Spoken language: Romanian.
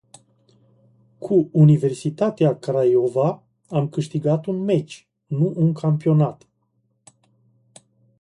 Cu Universitatea Craiova am câștigat un meci, nu un campionat.